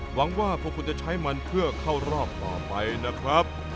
หวังว่าพวกคุณจะใช้มันเครื่องเข้ารอบต่อไปนะครับ